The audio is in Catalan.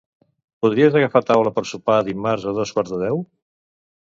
Podries agafar taula per sopar dimarts a dos quarts de deu?